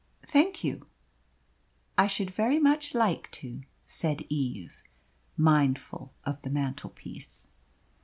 "Thank you; I should very much like to," said Eve, mindful of the mantelpiece.